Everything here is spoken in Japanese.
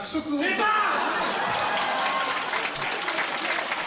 出たー！